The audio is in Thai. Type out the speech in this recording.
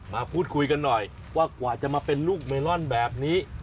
มาพูดคุยกันหน่อยว่ากว่าจะมาเป็นลูกเมลอนแบบนี้